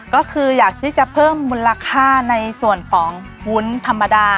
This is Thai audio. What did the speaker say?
ก็คืออยากที่จะเพิ่มมูลค่าในส่วนของวุ้นธรรมดา